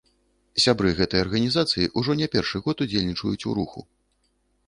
Сябры гэтай арганізацыі ўжо не першы год удзельнічаюць у руху.